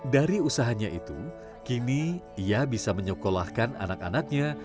dari usahanya itu kini ia bisa menyekolahkan anak anaknya